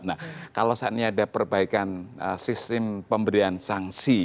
nah kalau saat ini ada perbaikan sistem pemberian sanksi